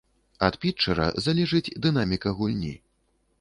Ад пітчэра залежыць дынаміка гульні.